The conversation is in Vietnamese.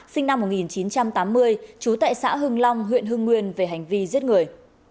sinh năm một nghìn chín trăm tám mươi trú tại xã hưng long huyện hưng nguyên về hành vi giết người